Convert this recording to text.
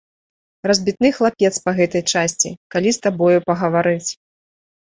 Разбітны хлапец па гэтай часці, калі з табою пагаварыць.